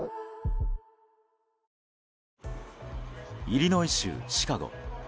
イリノイ州シカゴ。